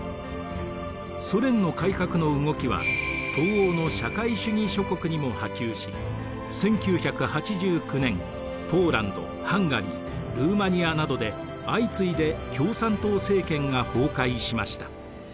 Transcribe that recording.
ソ連の改革の動きは東欧の社会主義諸国にも波及し１９８９年ポーランドハンガリールーマニアなどで相次いで共産党政権が崩壊しました。